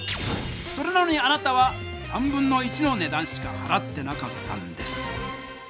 それなのにあなたは1/3のねだんしかはらってなかったんです。